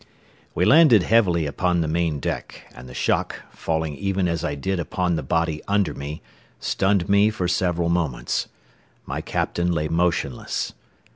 We landed heavily upon the main deck, and the shock, falling even as I did upon the body under me, stunned me for several moments. My captain lay motionless.